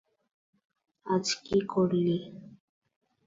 আজ কী করলি?